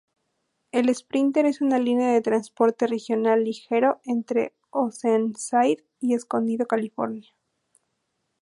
El Sprinter es una línea de transporte regional ligero entre Oceanside y Escondido, California.